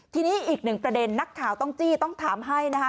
ทีนี้อีกหนึ่งประเด็นนักข่าวต้องจี้ต้องถามให้นะคะ